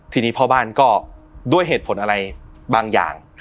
ทีนี้พ่อบ้านก็ด้วยเหตุผลอะไรบางอย่าง